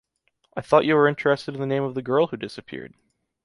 I thought you were interested in the name of the girl who disappeared.